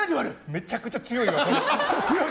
めちゃくちゃ強い。